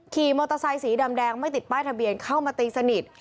ขี่มอเตอร์ไซสีดำแดงไม่ติดป้ายทะเบียนเข้ามาตีสนิท